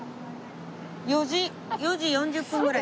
４時４時４０分ぐらい。